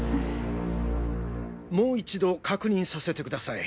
もう一度確認させてください。